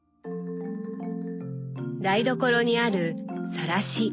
台所にある「さらし」。